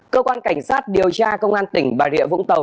cơ quan cảnh sát điều tra công an tỉnh bà rịa vũng tàu